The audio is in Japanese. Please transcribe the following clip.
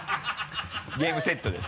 ゲームセットです。